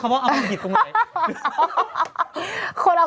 เป็นการกระตุ้นการไหลเวียนของเลือด